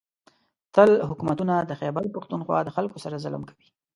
. تل حکومتونه د خېبر پښتونخوا د خلکو سره ظلم کوي